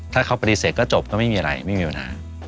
ถ้าเขาปฏิเสธก็จบก็ไม่มีปัญหา